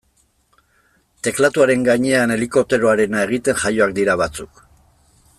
Teklatuaren gainean helikopteroarena egiten jaioak dira batzuk.